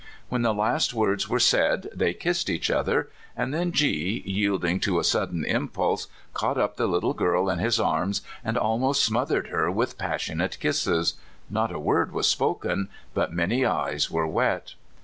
When the last words were said they kissed each other, and then G , yielding to a sudden impulse, caught up the little girl in his arms and almost smothered her with passionate kisses. Not a word was spoken, but many eyes were wet.